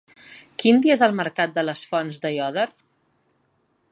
Quin dia és el mercat de les Fonts d'Aiòder?